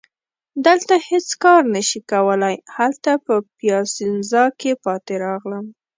دلته هیڅ کار نه شي کولای، هلته په پیاسینزا کي پاتې راغلم.